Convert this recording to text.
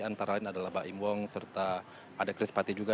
antara lain adalah bak im wong serta ada chris pati juga